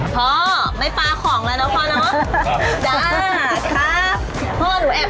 พอไม่ปลาของแล้วนะพอเนอะ